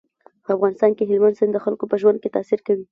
په افغانستان کې هلمند سیند د خلکو په ژوند تاثیر کوي.